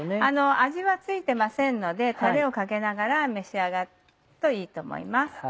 味は付いてませんのでたれをかけながら召し上がるといいと思います。